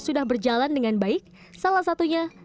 sudah berjalan dengan baik salah satunya